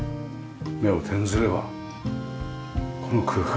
目を転ずればこの空間。